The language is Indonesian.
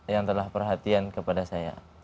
yang telah perhatian kepada saya